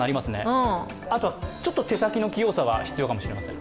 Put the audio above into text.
あとはちょっと手先の器用さが必要かもしれません。